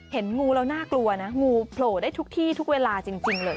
เห็นงูแล้วน่ากลัวนะงูโผล่ได้ทุกที่ทุกเวลาจริงเลย